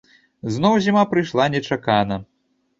Зноў зіма прыйшла нечакана.